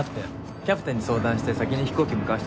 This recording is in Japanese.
キャプテンに相談して先に飛行機に向かわせてもらったの。